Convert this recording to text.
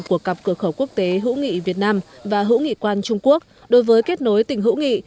của cặp cửa khẩu quốc tế hữu nghị việt nam và hữu nghị quan trung quốc đối với kết nối tỉnh hữu nghị